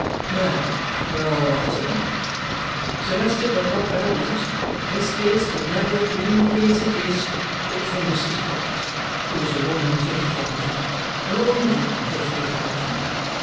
"Now we're all right again. Sir Leicester Dedlock, Baronet, this case could never have been the case it is but for Mrs. Bucket, who is a woman in fifty thousand in a hundred and fifty thousand!